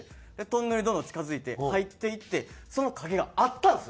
トンネルにどんどん近付いて入っていってその影があったんですよ。